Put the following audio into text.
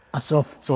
そう。